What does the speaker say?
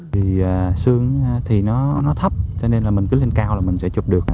vì sương thì nó thấp cho nên là mình cứ lên cao là mình sẽ chụp được